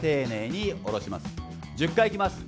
１０回いきます